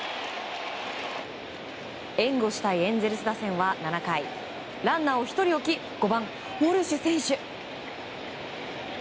援護したいエンゼルス打線は７回ランナーを１人置き５番、ウォルシュ選手。